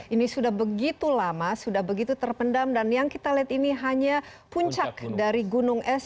ini sudah begitu lama sudah begitu terpendam dan yang kita lihat ini hanya puncak dari gunung es